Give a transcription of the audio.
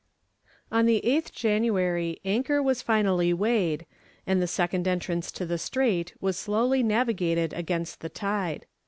On the 8th January anchor was finally weighed, and the second entrance to the strait was slowly navigated against the tide.